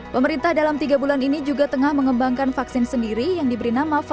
pemerintah dalam tiga bulan ini juga tengah mengembangkan vaksin sendiri yang diberi nama vaksin